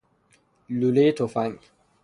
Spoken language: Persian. لولۀ تفنگ